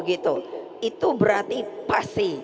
itu berarti pasti